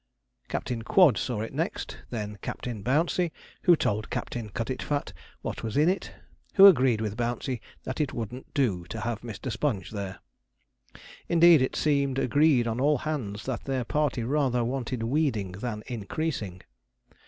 Captain Quod saw it next, then Captain Bouncey, who told Captain Cutitfat what was in it, who agreed with Bouncey that it wouldn't do to have Mr. Sponge there. Indeed, it seemed agreed on all hands that their party rather wanted weeding than increasing.